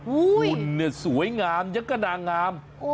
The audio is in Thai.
วุ้ยสวยงามอย่างกระดางาม